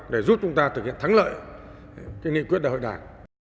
để giúp chúng ta thực hiện thắng lợi kinh nghiệm quyết đại hội đảng